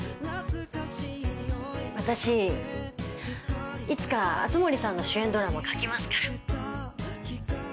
私いつか熱護さんの主演ドラマ書きますから。